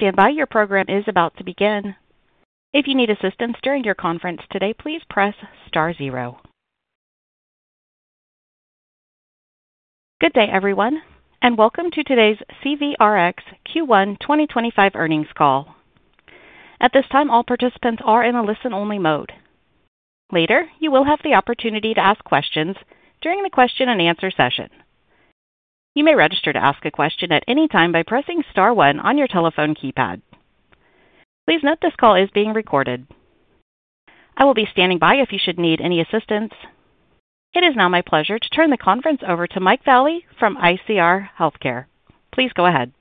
Stand by, your program is about to begin. If you need assistance during your conference today, please press star zero. Good day, everyone, and welcome to today's CVRx Q1 2025 earnings call. At this time, all participants are in a listen-only mode. Later, you will have the opportunity to ask questions during the question-and-answer session. You may register to ask a question at any time by pressing star one on your telephone keypad. Please note this call is being recorded. I will be standing by if you should need any assistance. It is now my pleasure to turn the conference over to Mike Vallie from ICR Healthcare. Please go ahead.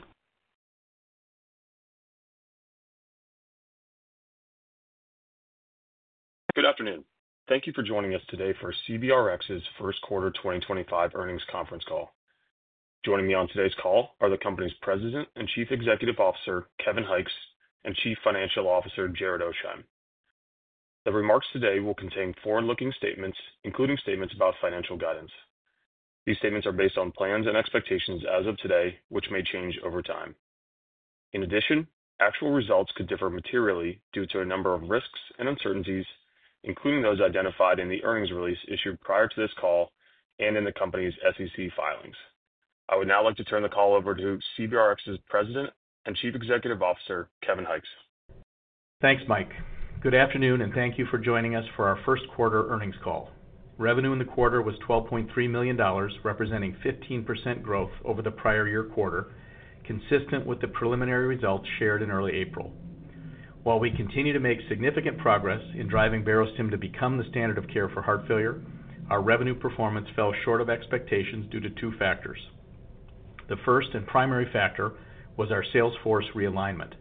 Good afternoon. Thank you for joining us today for CVRx's first quarter 2025 earnings conference call. Joining me on today's call are the company's President and Chief Executive Officer, Kevin Hykes, and Chief Financial Officer, Jared Oasheim. The remarks today will contain forward-looking statements, including statements about financial guidance. These statements are based on plans and expectations as of today, which may change over time. In addition, actual results could differ materially due to a number of risks and uncertainties, including those identified in the earnings release issued prior to this call and in the company's SEC filings. I would now like to turn the call over to CVRx's President and Chief Executive Officer, Kevin Hykes. Thanks, Mike. Good afternoon, and thank you for joining us for our first quarter earnings call. Revenue in the quarter was $12.3 million, representing 15% growth over the prior year quarter, consistent with the preliminary results shared in early April. While we continue to make significant progress in driving Barostim to become the standard of care for heart failure, our revenue performance fell short of expectations due to two factors. The first and primary factor was our sales force realignment.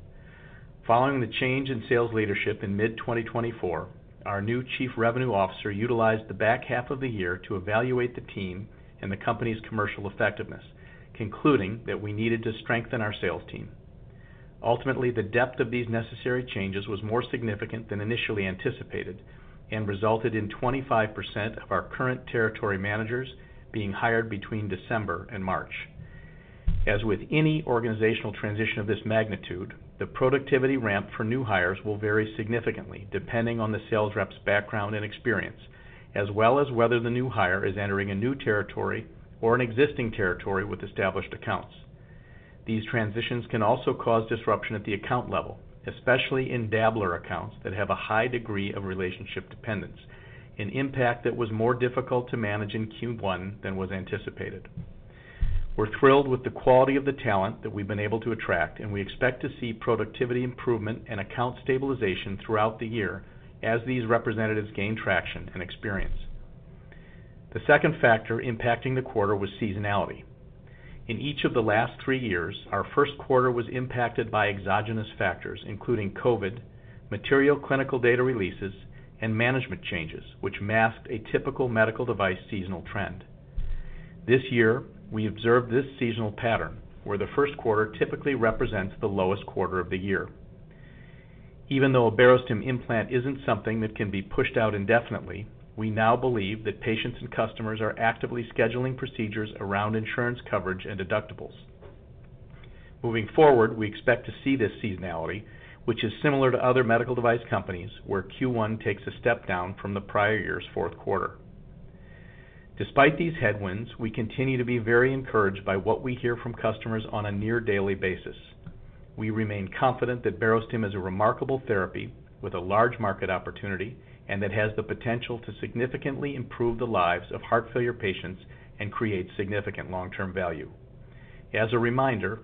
Following the change in sales leadership in mid-2024, our new Chief Revenue Officer utilized the back half of the year to evaluate the team and the company's commercial effectiveness, concluding that we needed to strengthen our sales team. Ultimately, the depth of these necessary changes was more significant than initially anticipated and resulted in 25% of our current territory managers being hired between December and March. As with any organizational transition of this magnitude, the productivity ramp for new hires will vary significantly depending on the sales rep's background and experience, as well as whether the new hire is entering a new territory or an existing territory with established accounts. These transitions can also cause disruption at the account level, especially in dabbler accounts that have a high degree of relationship dependence, an impact that was more difficult to manage in Q1 than was anticipated. We're thrilled with the quality of the talent that we've been able to attract, and we expect to see productivity improvement and account stabilization throughout the year as these representatives gain traction and experience. The second factor impacting the quarter was seasonality. In each of the last three years, our first quarter was impacted by exogenous factors, including COVID, material clinical data releases, and management changes, which masked a typical medical device seasonal trend. This year, we observed this seasonal pattern, where the first quarter typically represents the lowest quarter of the year. Even though a Barostim implant isn't something that can be pushed out indefinitely, we now believe that patients and customers are actively scheduling procedures around insurance coverage and deductibles. Moving forward, we expect to see this seasonality, which is similar to other medical device companies where Q1 takes a step down from the prior year's fourth quarter. Despite these headwinds, we continue to be very encouraged by what we hear from customers on a near-daily basis. We remain confident that Barostim is a remarkable therapy with a large market opportunity and that has the potential to significantly improve the lives of heart failure patients and create significant long-term value. As a reminder,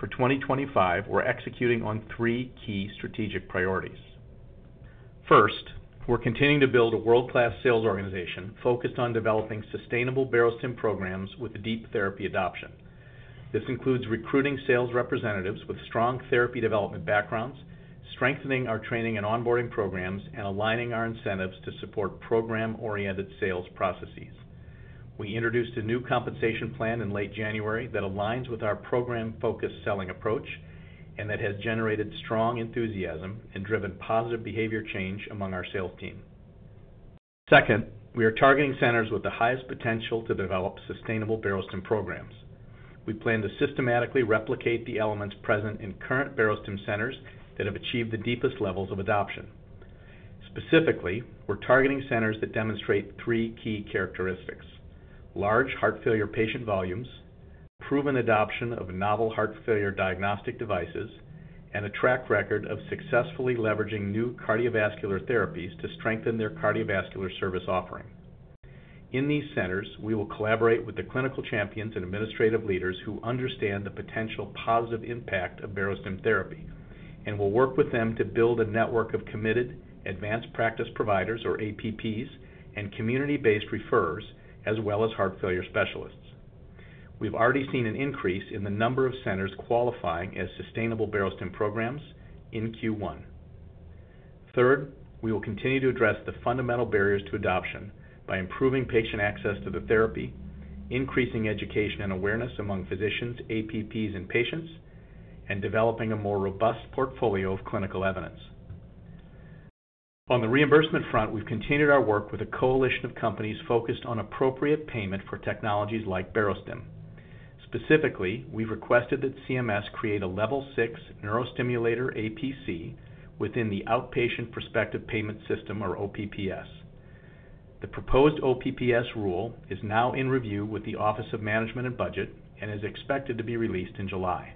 for 2025, we're executing on three key strategic priorities. First, we're continuing to build a world-class sales organization focused on developing sustainable Barostim programs with deep therapy adoption. This includes recruiting sales representatives with strong therapy development backgrounds, strengthening our training and onboarding programs, and aligning our incentives to support program-oriented sales processes. We introduced a new compensation plan in late January that aligns with our program-focused selling approach and that has generated strong enthusiasm and driven positive behavior change among our sales team. Second, we are targeting centers with the highest potential to develop sustainable Barostim programs. We plan to systematically replicate the elements present in current Barostim centers that have achieved the deepest levels of adoption. Specifically, we're targeting centers that demonstrate three key characteristics: large heart failure patient volumes, proven adoption of novel heart failure diagnostic devices, and a track record of successfully leveraging new cardiovascular therapies to strengthen their cardiovascular service offering. In these centers, we will collaborate with the clinical champions and administrative leaders who understand the potential positive impact of Barostim therapy and will work with them to build a network of committed advanced practice providers, or APPs, and community-based referrers, as well as heart failure specialists. We've already seen an increase in the number of centers qualifying as sustainable Barostim programs in Q1. Third, we will continue to address the fundamental barriers to adoption by improving patient access to the therapy, increasing education and awareness among physicians, APPs, and patients, and developing a more robust portfolio of clinical evidence. On the reimbursement front, we've continued our work with a coalition of companies focused on appropriate payment for technologies like Barostim. Specifically, we've requested that CMS create a level six neurostimulator APC within the Outpatient Prospective Payment System, or OPPS. The proposed OPPS rule is now in review with the Office of Management and Budget and is expected to be released in July.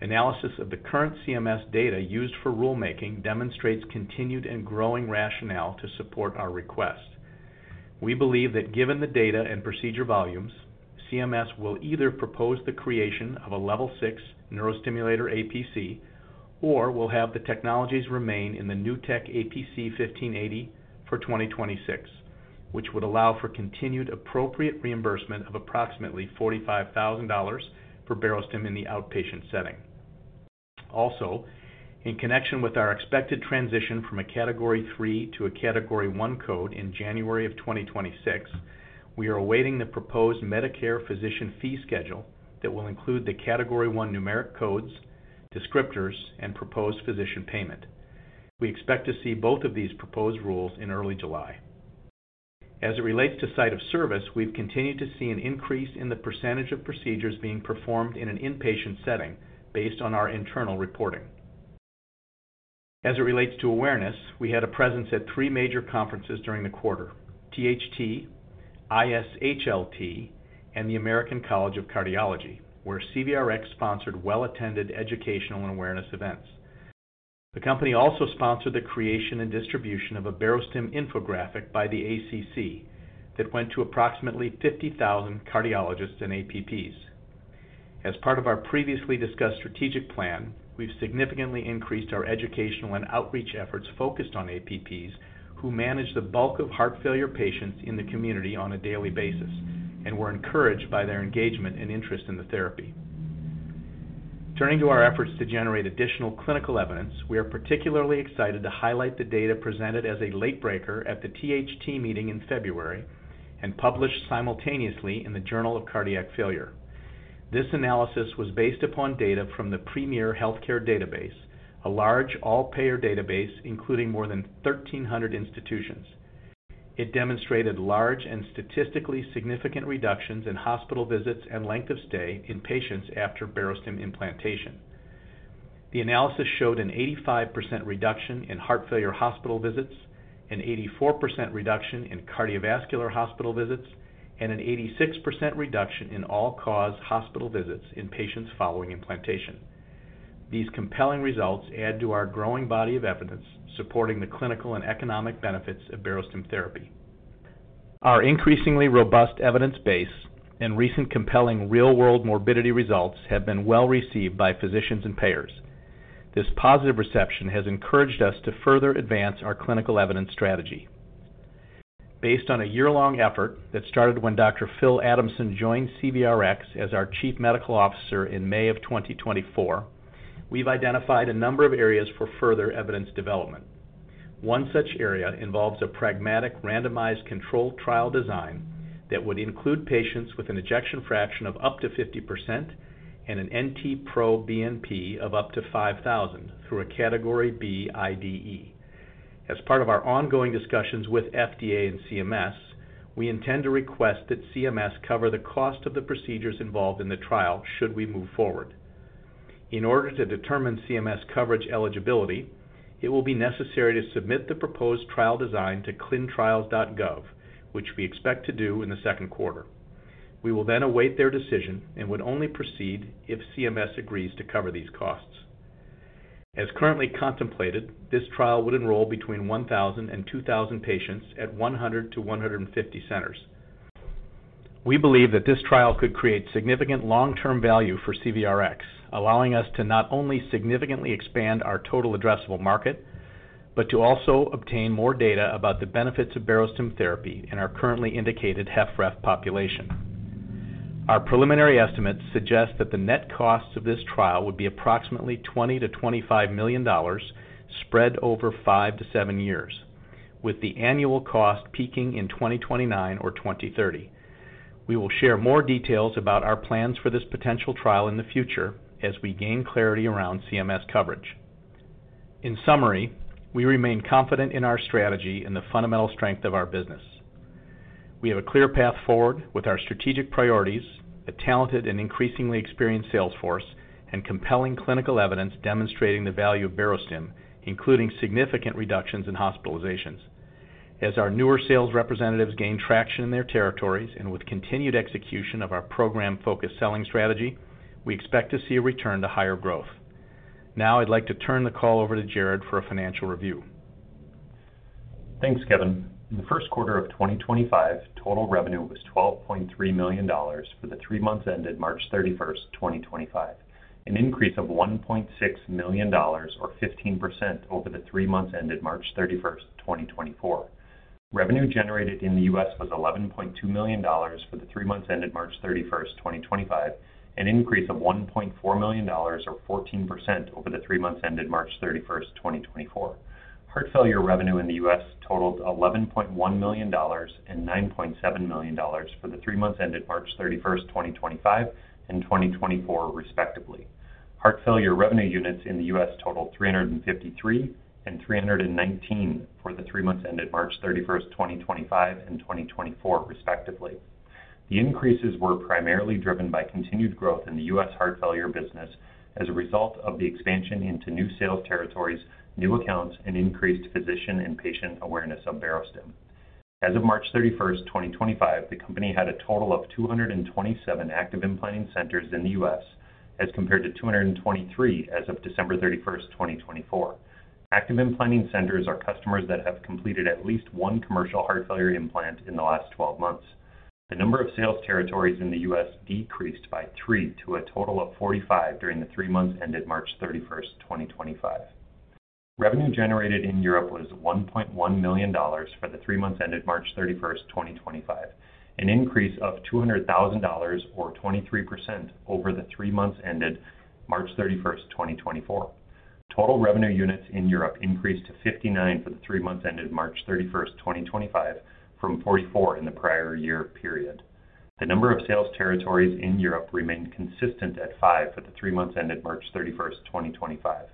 Analysis of the current CMS data used for rulemaking demonstrates continued and growing rationale to support our request. We believe that given the data and procedure volumes, CMS will either propose the creation of a level six neurostimulator APC or will have the technologies remain in the new tech APC 1580 for 2026, which would allow for continued appropriate reimbursement of approximately $45,000 for Barostim in the outpatient setting. Also, in connection with our expected transition from a category three to a category one code in January of 2026, we are awaiting the proposed Medicare physician fee schedule that will include the category one numeric codes, descriptors, and proposed physician payment. We expect to see both of these proposed rules in early July. As it relates to site of service, we've continued to see an increase in the percentage of procedures being performed in an inpatient setting based on our internal reporting. As it relates to awareness, we had a presence at three major conferences during the quarter: THT, ISHLT, and the American College of Cardiology, where CVRx sponsored well-attended educational and awareness events. The company also sponsored the creation and distribution of a Barostim infographic by the ACC that went to approximately 50,000 cardiologists and APPs. As part of our previously discussed strategic plan, we've significantly increased our educational and outreach efforts focused on APPs who manage the bulk of heart failure patients in the community on a daily basis and were encouraged by their engagement and interest in the therapy. Turning to our efforts to generate additional clinical evidence, we are particularly excited to highlight the data presented as a late breaker at the THT meeting in February and published simultaneously in the Journal of Cardiac Failure. This analysis was based upon data from the Premier Healthcare Database, a large all-payer database including more than 1,300 institutions. It demonstrated large and statistically significant reductions in hospital visits and length of stay in patients after Barostim implantation. The analysis showed an 85% reduction in heart failure hospital visits, an 84% reduction in cardiovascular hospital visits, and an 86% reduction in all-cause hospital visits in patients following implantation. These compelling results add to our growing body of evidence supporting the clinical and economic benefits of Barostim therapy. Our increasingly robust evidence base and recent compelling real-world morbidity results have been well received by physicians and payers. This positive reception has encouraged us to further advance our clinical evidence strategy. Based on a year-long effort that started when Dr. Phil Adamson joined CVRx as our Chief Medical Officer in May of 2024, we've identified a number of areas for further evidence development. One such area involves a pragmatic randomized control trial design that would include patients with an ejection fraction of up to 50% and an NT-proBNP of up to 5,000 through a category B IDE. As part of our ongoing discussions with FDA and CMS, we intend to request that CMS cover the cost of the procedures involved in the trial should we move forward. In order to determine CMS coverage eligibility, it will be necessary to submit the proposed trial design to ClinicalTrials.gov, which we expect to do in the second quarter. We will then await their decision and would only proceed if CMS agrees to cover these costs. As currently contemplated, this trial would enroll between 1,000 and 2,000 patients at 100-150 centers. We believe that this trial could create significant long-term value for CVRx, allowing us to not only significantly expand our total addressable market but to also obtain more data about the benefits of Barostim therapy in our currently indicated HFref population. Our preliminary estimates suggest that the net costs of this trial would be approximately $20-$25 million spread over five to seven years, with the annual cost peaking in 2029 or 2030. We will share more details about our plans for this potential trial in the future as we gain clarity around CMS coverage. In summary, we remain confident in our strategy and the fundamental strength of our business. We have a clear path forward with our strategic priorities, a talented and increasingly experienced sales force, and compelling clinical evidence demonstrating the value of Barostim, including significant reductions in hospitalizations. As our newer sales representatives gain traction in their territories and with continued execution of our program-focused selling strategy, we expect to see a return to higher growth. Now, I'd like to turn the call over to Jared for a financial review. Thanks, Kevin. In the first quarter of 2025, total revenue was $12.3 million for the three months ended March 31, 2025, an increase of $1.6 million, or 15%, over the three months ended March 31, 2024. Revenue generated in the U.S. was $11.2 million for the three months ended March 31, 2025, an increase of $1.4 million, or 14%, over the three months ended March 31, 2024. Heart failure revenue in the U.S. totaled $11.1 million and $9.7 million for the three months ended March 31, 2025, and 2024, respectively. Heart failure revenue units in the U.S. totaled 353 and 319 for the three months ended March 31, 2025, and 2024, respectively. The increases were primarily driven by continued growth in the U.S. heart failure business as a result of the expansion into new sales territories, new accounts, and increased physician and patient awareness of Barostim. As of March 31, 2025, the company had a total of 227 active implanting centers in the U.S. as compared to 223 as of December 31, 2024. Active implanting centers are customers that have completed at least one commercial heart failure implant in the last 12 months. The number of sales territories in the U.S. decreased by three to a total of 45 during the three months ended March 31, 2025. Revenue generated in Europe was $1.1 million for the three months ended March 31, 2025, an increase of $200,000, or 23%, over the three months ended March 31st, 2024. Total revenue units in Europe increased to 59 for the three months ended March 31st, 2025, from 44 in the prior year period. The number of sales territories in Europe remained consistent at 5 for the three months ended March 31st, 2025.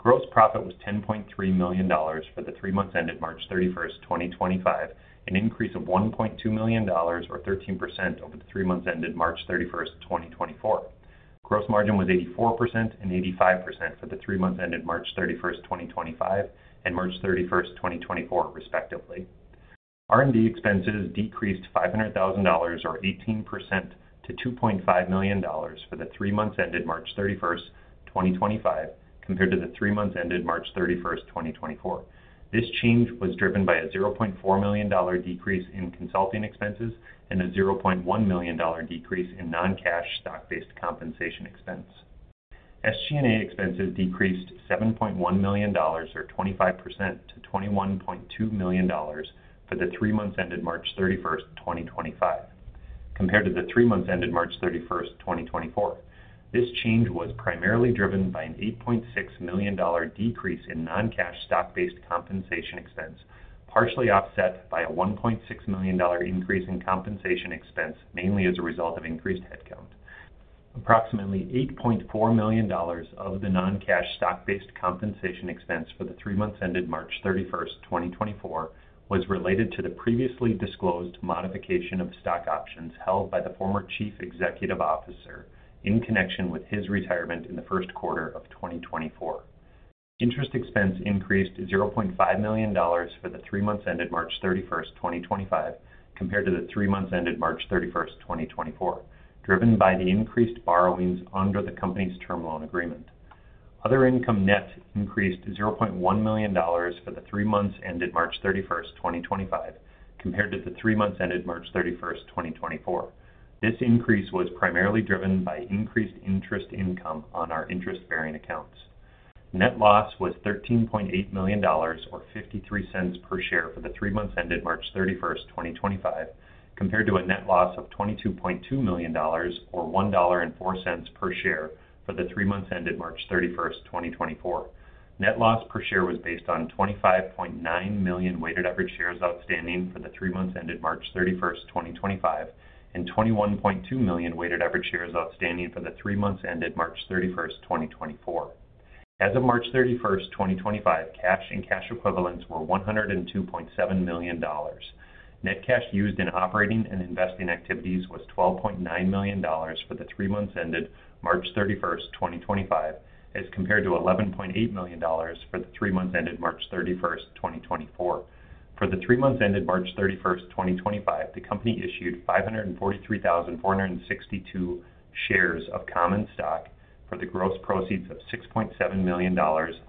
Gross profit was $10.3 million for the three months ended March 31st, 2025, an increase of $1.2 million, or 13%, over the three months ended March 31st, 2024. Gross margin was 84% and 85% for the three months ended March 31, 2025, and March 31st, 2024, respectively. R&D expenses decreased $500,000, or 18%, to $2.5 million for the three months ended March 31st, 2025, compared to the three months ended March 31st, 2024. This change was driven by a $0.4 million decrease in consulting expenses and a $0.1 million decrease in non-cash stock-based compensation expense. SG&A expenses decreased $7.1 million, or 25%, to $21.2 million for the three months ended March 31st, 2025, compared to the three months ended March 31st, 2024. This change was primarily driven by an $8.6 million decrease in non-cash stock-based compensation expense, partially offset by a $1.6 million increase in compensation expense, mainly as a result of increased headcount. Approximately $8.4 million of the non-cash stock-based compensation expense for the three months ended March 31st, 2024, was related to the previously disclosed modification of stock options held by the former Chief Executive Officer in connection with his retirement in the first quarter of 2024. Interest expense increased $0.5 million for the three months ended March 31st, 2025, compared to the three months ended March 31st, 2024, driven by the increased borrowings under the company's term loan agreement. Other income net increased $0.1 million for the three months ended March 31st, 2025, compared to the three months ended March 31st, 2024. This increase was primarily driven by increased interest income on our interest-bearing accounts. Net loss was $13.8 million, or $0.53 per share for the three months ended March 31st, 2025, compared to a net loss of $22.2 million, or $1.04 per share for the three months ended March 31,st 2024. Net loss per share was based on 25.9 million weighted average shares outstanding for the three months ended March 31st, 2025, and 21.2 million weighted average shares outstanding for the three months ended March 31, 2024. As of March 31, 2025, cash and cash equivalents were $102.7 million. Net cash used in operating and investing activities was $12.9 million for the three months ended March 31st, 2025, as compared to $11.8 million for the three months ended March 31st, 2024. For the three months ended March 31st, 2025, the company issued 543,462 shares of common stock for the gross proceeds of $6.7 million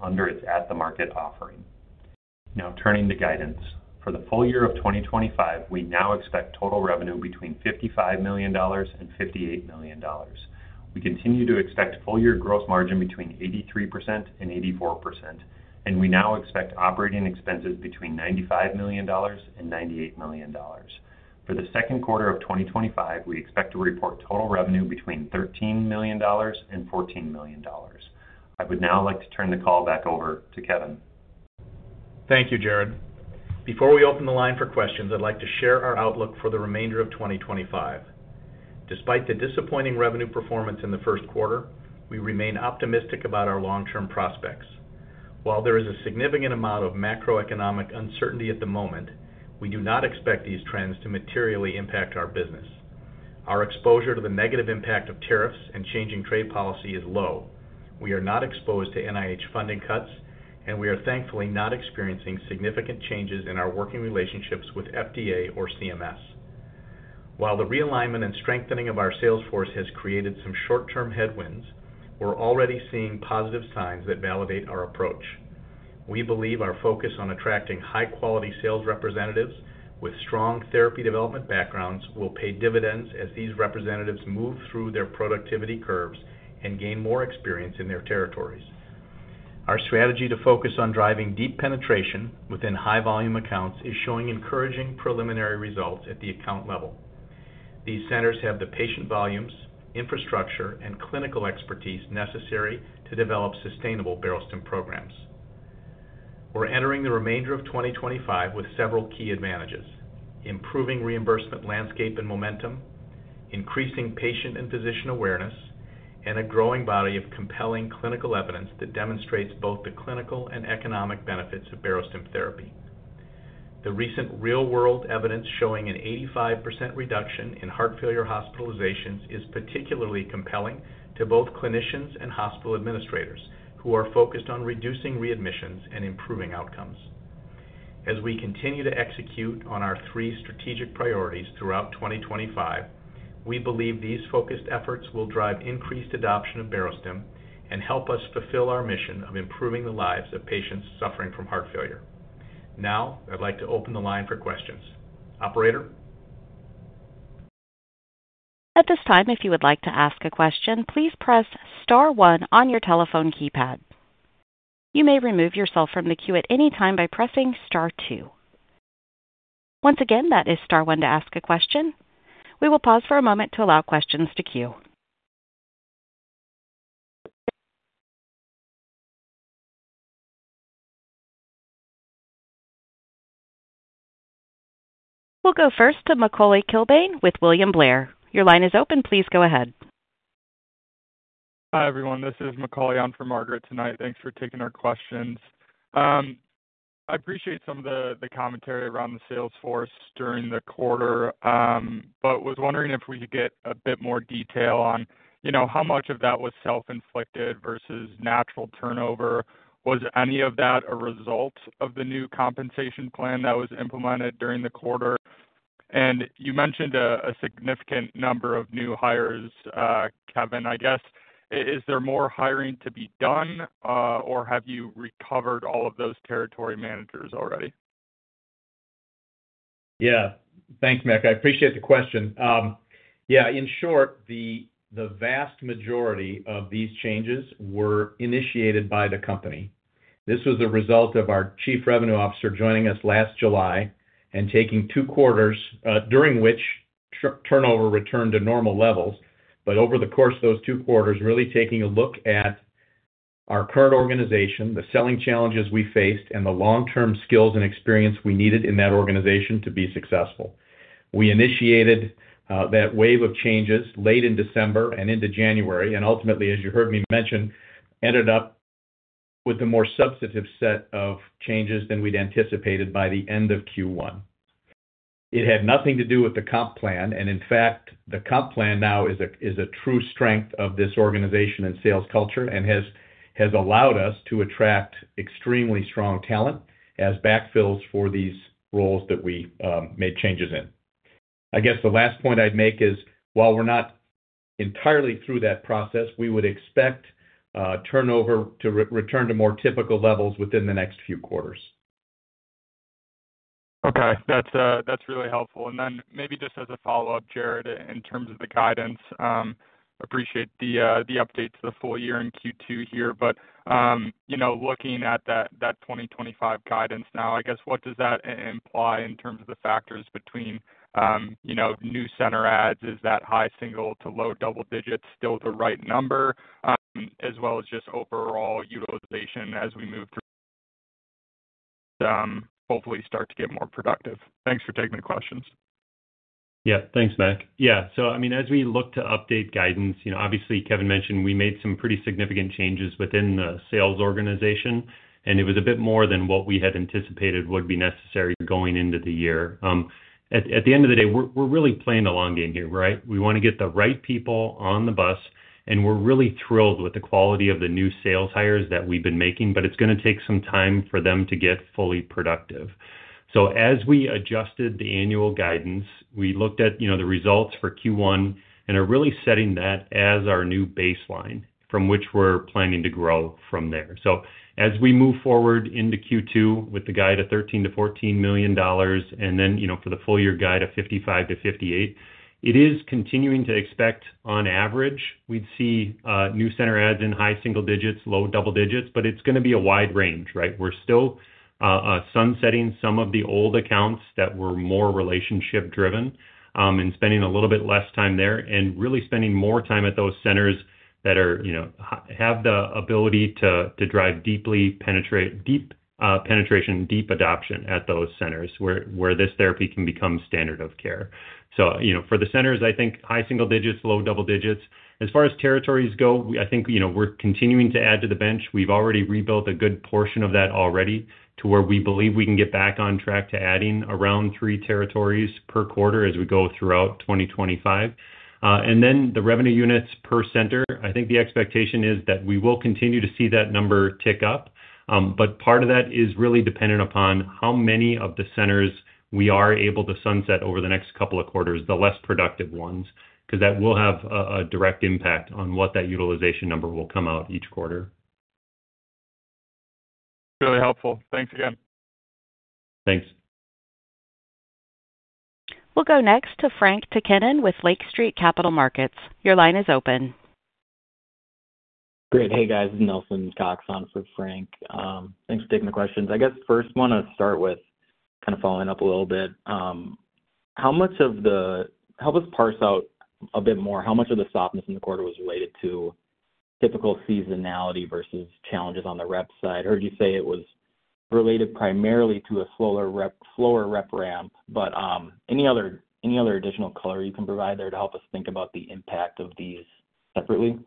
under its at-the-market offering. Now, turning to guidance. For the full year of 2025, we now expect total revenue between $55 million and $58 million. We continue to expect full-year gross margin between 83% and 84%, and we now expect operating expenses between $95 million and $98 million. For the second quarter of 2025, we expect to report total revenue between $13 million and $14 million. I would now like to turn the call back over to Kevin. Thank you, Jared. Before we open the line for questions, I'd like to share our outlook for the remainder of 2025. Despite the disappointing revenue performance in the first quarter, we remain optimistic about our long-term prospects. While there is a significant amount of macroeconomic uncertainty at the moment, we do not expect these trends to materially impact our business. Our exposure to the negative impact of tariffs and changing trade policy is low. We are not exposed to NIH funding cuts, and we are thankfully not experiencing significant changes in our working relationships with FDA or CMS. While the realignment and strengthening of our sales force has created some short-term headwinds, we're already seeing positive signs that validate our approach. We believe our focus on attracting high-quality sales representatives with strong therapy development backgrounds will pay dividends as these representatives move through their productivity curves and gain more experience in their territories. Our strategy to focus on driving deep penetration within high-volume accounts is showing encouraging preliminary results at the account level. These centers have the patient volumes, infrastructure, and clinical expertise necessary to develop sustainable Barostim programs. We're entering the remainder of 2025 with several key advantages: improving reimbursement landscape and momentum, increasing patient and physician awareness, and a growing body of compelling clinical evidence that demonstrates both the clinical and economic benefits of Barostim therapy. The recent real-world evidence showing an 85% reduction in heart failure hospitalizations is particularly compelling to both clinicians and hospital administrators who are focused on reducing readmissions and improving outcomes. As we continue to execute on our three strategic priorities throughout 2025, we believe these focused efforts will drive increased adoption of Barostim and help us fulfill our mission of improving the lives of patients suffering from heart failure. Now, I'd like to open the line for questions. Operator. At this time, if you would like to ask a question, please press star one on your telephone keypad. You may remove yourself from the queue at any time by pressing star two. Once again, that is star 1 to ask a question. We will pause for a moment to allow questions to queue. We'll go first to Macaulay Kilbane with William Blair. Your line is open. Please go ahead. Hi, everyone. This is Macaulay on for Margaret tonight. Thanks for taking our questions. I appreciate some of the commentary around the sales force during the quarter, but was wondering if we could get a bit more detail on how much of that was self-inflicted versus natural turnover. Was any of that a result of the new compensation plan that was implemented during the quarter? You mentioned a significant number of new hires, Kevin. I guess, is there more hiring to be done, or have you recovered all of those territory managers already? Yeah. Thanks, Mac. I appreciate the question. Yeah. In short, the vast majority of these changes were initiated by the company. This was a result of our Chief Revenue Officer joining us last July and taking two quarters, during which turnover returned to normal levels. Over the course of those two quarters, really taking a look at our current organization, the selling challenges we faced, and the long-term skills and experience we needed in that organization to be successful. We initiated that wave of changes late in December and into January, and ultimately, as you heard me mention, ended up with a more substantive set of changes than we'd anticipated by the end of Q1. It had nothing to do with the comp plan, and in fact, the comp plan now is a true strength of this organization and sales culture and has allowed us to attract extremely strong talent as backfills for these roles that we made changes in. I guess the last point I'd make is, while we're not entirely through that process, we would expect turnover to return to more typical levels within the next few quarters. Okay. That's really helpful. Maybe just as a follow-up, Jared, in terms of the guidance, appreciate the updates to the full year in Q2 here. Looking at that 2025 guidance now, I guess, what does that imply in terms of the factors between new center ads? Is that high single to low double digits still the right number, as well as just overall utilization as we move through, hopefully start to get more productive? Thanks for taking the questions. Yeah. Thanks, Mac. Yeah. I mean, as we look to update guidance, obviously, Kevin mentioned we made some pretty significant changes within the sales organization, and it was a bit more than what we had anticipated would be necessary going into the year. At the end of the day, we're really playing the long game here, right? We want to get the right people on the bus, and we're really thrilled with the quality of the new sales hires that we've been making, but it's going to take some time for them to get fully productive. As we adjusted the annual guidance, we looked at the results for Q1 and are really setting that as our new baseline from which we're planning to grow from there. As we move forward into Q2 with the guide of $13-$14 million, and then for the full-year guide of $55-$58 million, it is continuing to expect, on average, we'd see new center adds in high single digits, low double digits, but it's going to be a wide range, right? We're still sunsetting some of the old accounts that were more relationship-driven and spending a little bit less time there and really spending more time at those centers that have the ability to drive deep penetration, deep adoption at those centers where this therapy can become standard of care. For the centers, I think high single digits, low double digits. As far as territories go, I think we're continuing to add to the bench. We've already rebuilt a good portion of that already to where we believe we can get back on track to adding around three territories per quarter as we go throughout 2025. The revenue units per center, I think the expectation is that we will continue to see that number tick up, but part of that is really dependent upon how many of the centers we are able to sunset over the next couple of quarters, the less productive ones, because that will have a direct impact on what that utilization number will come out each quarter. That's really helpful. Thanks again. Thanks. We'll go next to Frank Takkinen with Lake Street Capital Markets. Your line is open. Great. Hey, guys. This is Nelson Cox on for Frank. Thanks for taking the questions. I guess first, I want to start with kind of following up a little bit. How much of the—help us parse out a bit more—how much of the softness in the quarter was related to typical seasonality versus challenges on the rep side? I heard you say it was related primarily to a slower rep ramp, but any other additional color you can provide there to help us think about the impact of these separately?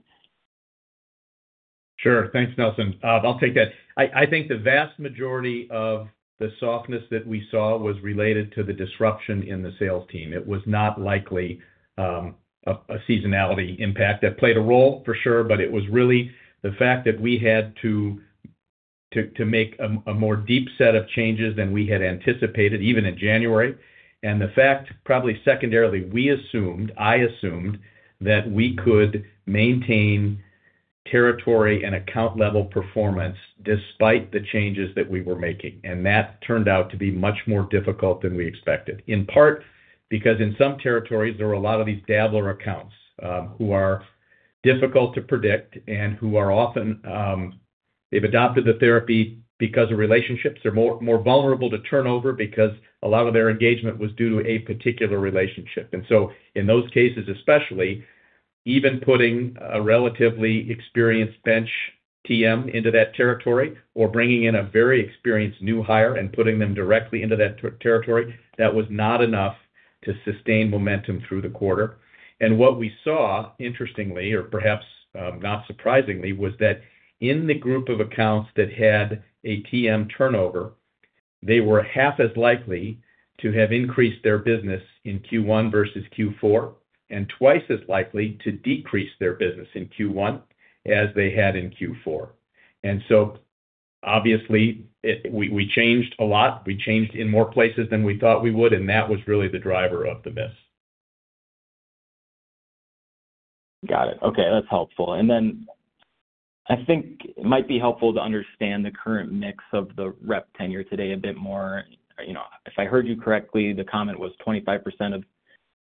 Sure. Thanks, Nelson. I'll take that. I think the vast majority of the softness that we saw was related to the disruption in the sales team. It was not likely a seasonality impact that played a role, for sure, but it was really the fact that we had to make a more deep set of changes than we had anticipated, even in January. The fact, probably secondarily, I assumed that we could maintain territory and account-level performance despite the changes that we were making. That turned out to be much more difficult than we expected, in part because in some territories, there are a lot of these dabbler accounts who are difficult to predict and who are often—they've adopted the therapy because of relationships. They're more vulnerable to turnover because a lot of their engagement was due to a particular relationship. In those cases especially, even putting a relatively experienced bench TM into that territory or bringing in a very experienced new hire and putting them directly into that territory, that was not enough to sustain momentum through the quarter. What we saw, interestingly, or perhaps not surprisingly, was that in the group of accounts that had a TM turnover, they were half as likely to have increased their business in Q1 versus Q4 and twice as likely to decrease their business in Q1 as they had in Q4. Obviously, we changed a lot. We changed in more places than we thought we would, and that was really the driver of the miss. Got it. Okay. That's helpful. I think it might be helpful to understand the current mix of the rep tenure today a bit more. If I heard you correctly, the comment was 25% of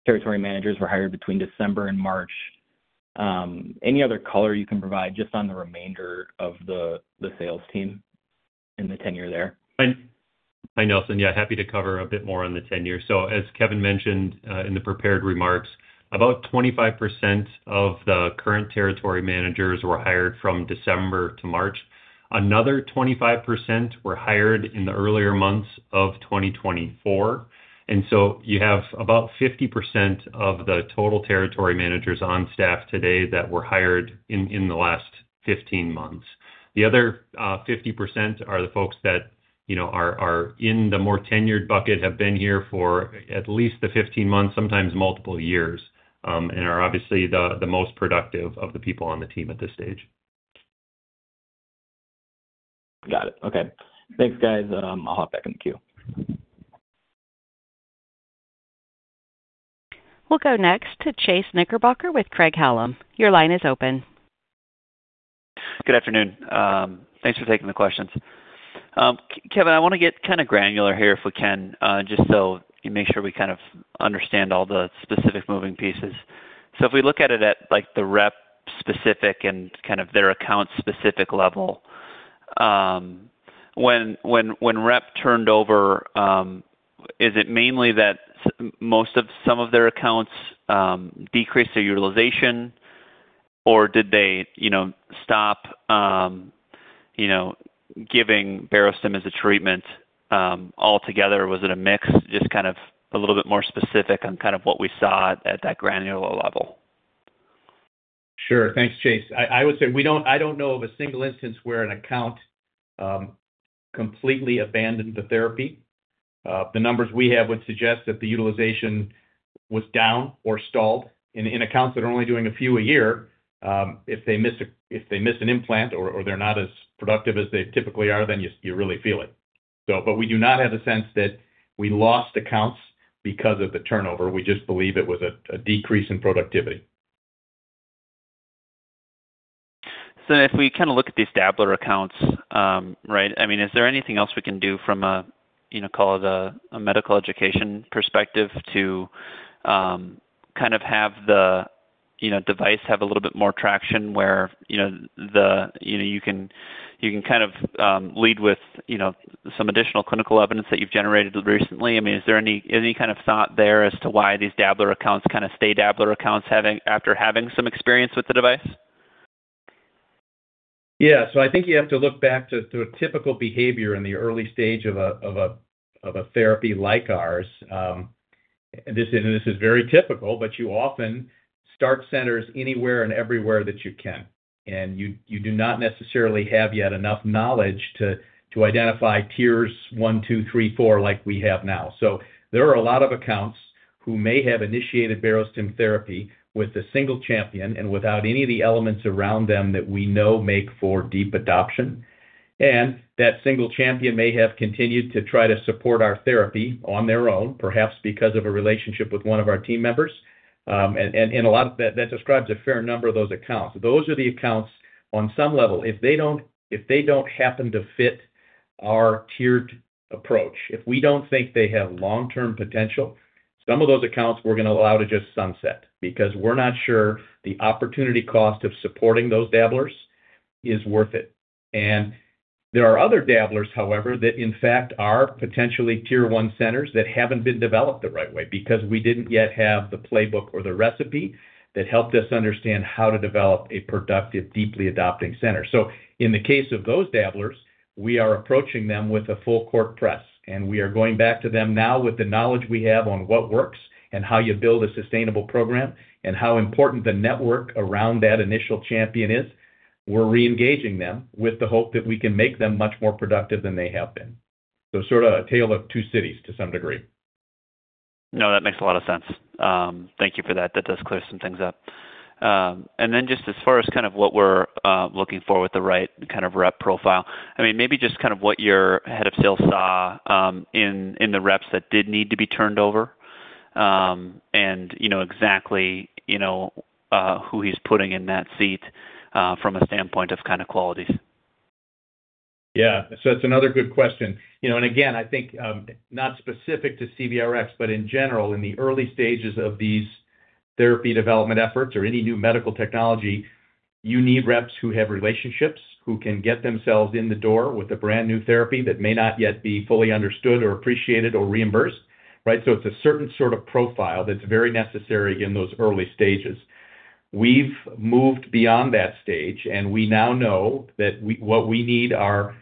territory managers were hired between December and March. Any other color you can provide just on the remainder of the sales team and the tenure there? Hi, Nelson. Yeah. Happy to cover a bit more on the tenure. As Kevin mentioned in the prepared remarks, about 25% of the current territory managers were hired from December to March. Another 25% were hired in the earlier months of 2024. You have about 50% of the total territory managers on staff today that were hired in the last 15 months. The other 50% are the folks that are in the more tenured bucket, have been here for at least the 15 months, sometimes multiple years, and are obviously the most productive of the people on the team at this stage. Got it. Okay. Thanks, guys. I'll hop back in the queue. We'll go next to Chase Knickerbocker with Craig-Hallum. Your line is open. Good afternoon. Thanks for taking the questions. Kevin, I want to get kind of granular here if we can, just so you make sure we kind of understand all the specific moving pieces. If we look at it at the rep-specific and kind of their account-specific level, when rep turned over, is it mainly that most of some of their accounts decreased their utilization, or did they stop giving Barostim as a treatment altogether? Was it a mix? Just kind of a little bit more specific on kind of what we saw at that granular level. Sure. Thanks, Chase. I would say I don't know of a single instance where an account completely abandoned the therapy. The numbers we have would suggest that the utilization was down or stalled. In accounts that are only doing a few a year, if they miss an implant or they're not as productive as they typically are, then you really feel it. We do not have a sense that we lost accounts because of the turnover. We just believe it was a decrease in productivity. If we kind of look at these dabbler accounts, right, I mean, is there anything else we can do from a, call it, a medical education perspective to kind of have the device have a little bit more traction where you can kind of lead with some additional clinical evidence that you've generated recently? I mean, is there any kind of thought there as to why these dabbler accounts kind of stay dabbler accounts after having some experience with the device? Yeah. I think you have to look back to a typical behavior in the early stage of a therapy like ours. This is very typical, but you often start centers anywhere and everywhere that you can, and you do not necessarily have yet enough knowledge to identify tiers one, two, three, four like we have now. There are a lot of accounts who may have initiated Barostim therapy with a single champion and without any of the elements around them that we know make for deep adoption. That single champion may have continued to try to support our therapy on their own, perhaps because of a relationship with one of our team members. A lot of that describes a fair number of those accounts. Those are the accounts on some level. If they do not happen to fit our tiered approach, if we do not think they have long-term potential, some of those accounts we are going to allow to just sunset because we are not sure the opportunity cost of supporting those dabblers is worth it. There are other dabblers, however, that in fact are potentially tier one centers that have not been developed the right way because we did not yet have the playbook or the recipe that helped us understand how to develop a productive, deeply adopting center. In the case of those dabblers, we are approaching them with a full-court press, and we are going back to them now with the knowledge we have on what works and how you build a sustainable program and how important the network around that initial champion is. We're reengaging them with the hope that we can make them much more productive than they have been. Sort of a tale of two cities to some degree. No, that makes a lot of sense. Thank you for that. That does clear some things up. Just as far as kind of what we're looking for with the right kind of rep profile, I mean, maybe just kind of what your head of sales saw in the reps that did need to be turned over and exactly who he's putting in that seat from a standpoint of kind of qualities. Yeah. That's another good question. Again, I think not specific to CVRx, but in general, in the early stages of these therapy development efforts or any new medical technology, you need reps who have relationships, who can get themselves in the door with a brand new therapy that may not yet be fully understood or appreciated or reimbursed, right? It's a certain sort of profile that's very necessary in those early stages. We've moved beyond that stage, and we now know that what we need are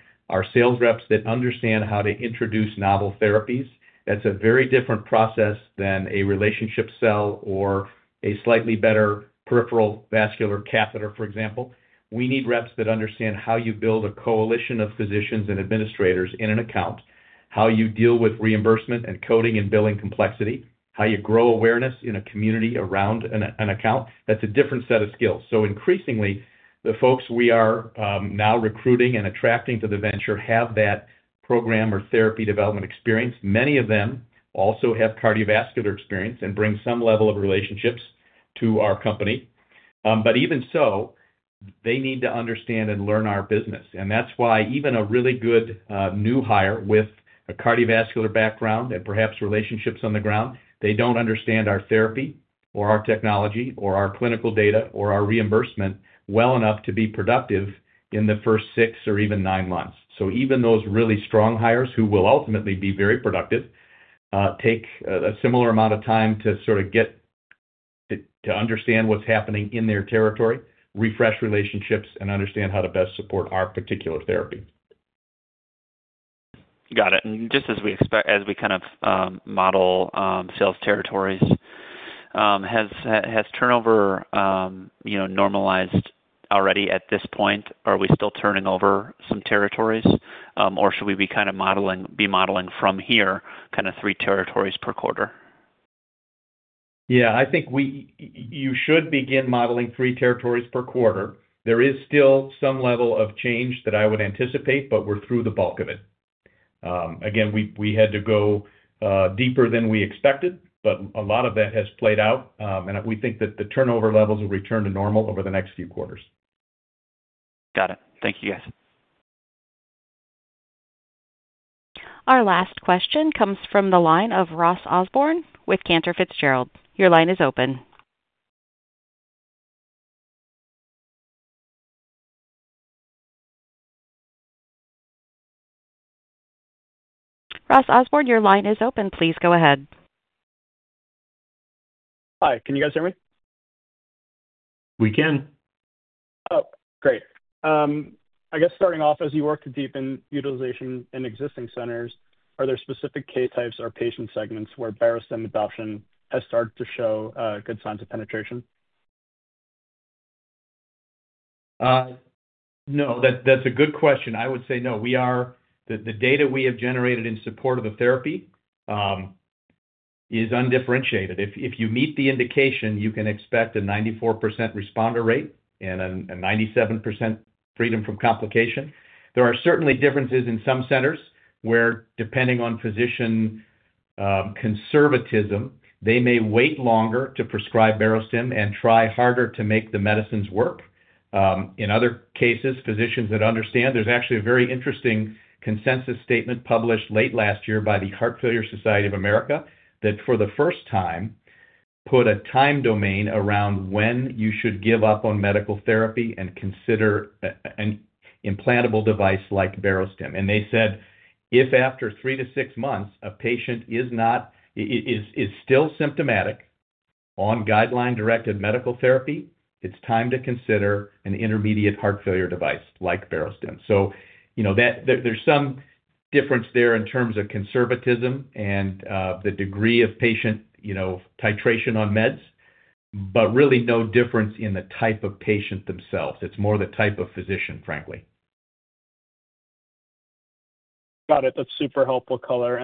sales reps that understand how to introduce novel therapies. That's a very different process than a relationship sell or a slightly better peripheral vascular catheter, for example. We need reps that understand how you build a coalition of physicians and administrators in an account, how you deal with reimbursement and coding and billing complexity, how you grow awareness in a community around an account. That is a different set of skills. Increasingly, the folks we are now recruiting and attracting to the venture have that program or therapy development experience. Many of them also have cardiovascular experience and bring some level of relationships to our company. Even so, they need to understand and learn our business. That is why even a really good new hire with a cardiovascular background and perhaps relationships on the ground, they do not understand our therapy or our technology or our clinical data or our reimbursement well enough to be productive in the first six or even nine months. Even those really strong hires who will ultimately be very productive take a similar amount of time to sort of get to understand what's happening in their territory, refresh relationships, and understand how to best support our particular therapy. Got it. And just as we kind of model sales territories, has turnover normalized already at this point? Are we still turning over some territories, or should we be kind of modeling from here, kind of three territories per quarter? Yeah. I think you should begin modeling three territories per quarter. There is still some level of change that I would anticipate, but we're through the bulk of it. Again, we had to go deeper than we expected, but a lot of that has played out, and we think that the turnover levels will return to normal over the next few quarters. Got it. Thank you, guys. Our last question comes from the line of Ross Osborn with Cantor Fitzgerald. Your line is open. Ross Osborn, your line is open. Please go ahead. Hi. Can you guys hear me? We can. Oh, great. I guess starting off, as you work to deepen utilization in existing centers, are there specific case types or patient segments where Barostim adoption has started to show good signs of penetration? No. That's a good question. I would say no. The data we have generated in support of the therapy is undifferentiated. If you meet the indication, you can expect a 94% responder rate and a 97% freedom from complication. There are certainly differences in some centers where, depending on physician conservatism, they may wait longer to prescribe Barostim and try harder to make the medicines work. In other cases, physicians that understand. There's actually a very interesting consensus statement published late last year by the Heart Failure Society of America that for the first time put a time domain around when you should give up on medical therapy and consider an implantable device like Barostim. They said, "If after three to six months, a patient is still symptomatic on guideline-directed medical therapy, it's time to consider an intermediate heart failure device like Barostim." There is some difference there in terms of conservatism and the degree of patient titration on meds, but really no difference in the type of patient themselves. It's more the type of physician, frankly. Got it. That's super helpful, Colar.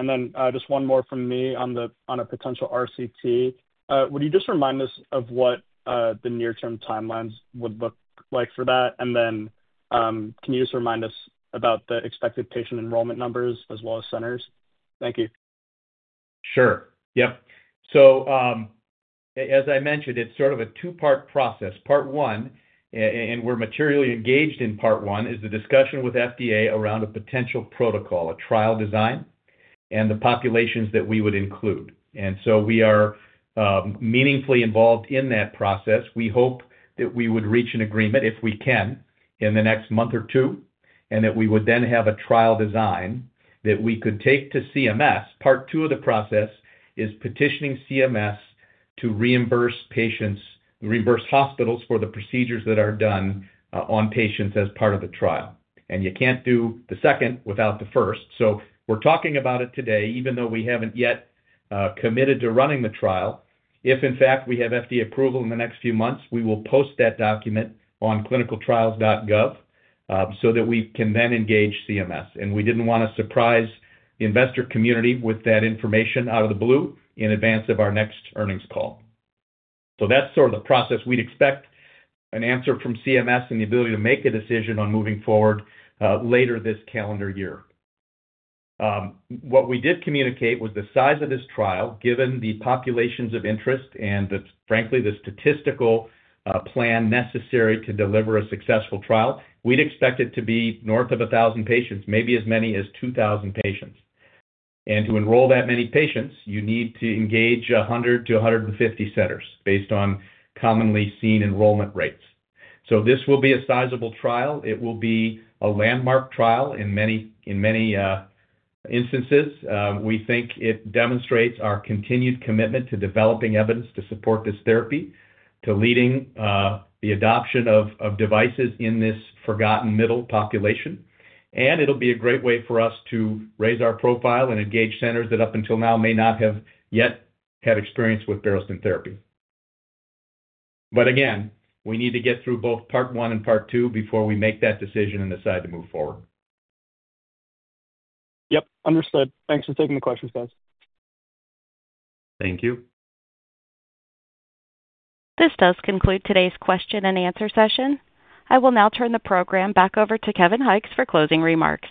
Just one more from me on a potential RCT. Would you just remind us of what the near-term timelines would look like for that? Can you just remind us about the expected patient enrollment numbers as well as centers? Thank you. Sure. Yep. As I mentioned, it's sort of a two-part process. Part one, and we're materially engaged in part one, is the discussion with FDA around a potential protocol, a trial design, and the populations that we would include. We are meaningfully involved in that process. We hope that we would reach an agreement, if we can, in the next month or two, and that we would then have a trial design that we could take to CMS. Part two of the process is petitioning CMS to reimburse hospitals for the procedures that are done on patients as part of the trial. You can't do the second without the first. We're talking about it today, even though we haven't yet committed to running the trial. If in fact we have FDA approval in the next few months, we will post that document on ClinicalTrials.gov so that we can then engage CMS. We did not want to surprise the investor community with that information out of the blue in advance of our next earnings call. That is sort of the process. We would expect an answer from CMS and the ability to make a decision on moving forward later this calendar year. What we did communicate was the size of this trial, given the populations of interest and, frankly, the statistical plan necessary to deliver a successful trial. We would expect it to be north of 1,000 patients, maybe as many as 2,000 patients. To enroll that many patients, you need to engage 100-150 centers based on commonly seen enrollment rates. This will be a sizable trial. It will be a landmark trial in many instances. We think it demonstrates our continued commitment to developing evidence to support this therapy, to leading the adoption of devices in this forgotten middle population. It will be a great way for us to raise our profile and engage centers that up until now may not have yet had experience with Barostim therapy. Again, we need to get through both part one and part two before we make that decision and decide to move forward. Yep. Understood. Thanks for taking the questions, guys. Thank you. This does conclude today's question and answer session. I will now turn the program back over to Kevin Hykes for closing remarks.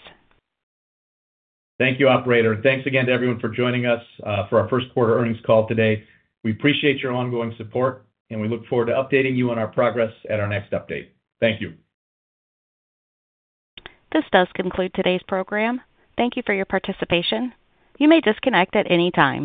Thank you, operator. Thank you again to everyone for joining us for our first quarter earnings call today. We appreciate your ongoing support, and we look forward to updating you on our progress at our next update. Thank you. This does conclude today's program. Thank you for your participation. You may disconnect at any time.